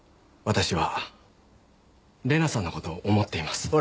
私は玲奈さんの事を思っています。